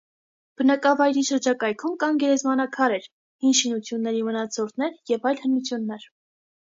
Բնակավայրի շրջակայքում կան գերեզմանաքարեր, հին շինությունների մնացորդներ և այլ հնություններ։